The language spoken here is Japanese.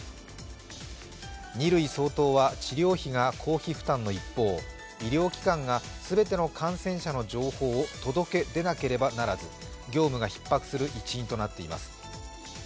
２類相当は治療費が公費負担の一方医療機関がすべての感染者の情報を届け出なければならず業務がひっ迫する一因となっています。